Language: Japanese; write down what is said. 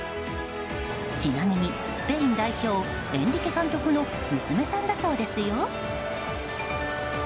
ちなみに、スペイン代表エンリケ監督の娘さんだそうですよ。